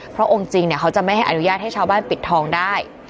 เพราะองค์จริงเขาจะไม่ให้อนุญาตให้ชาวบ้านปิดทองได้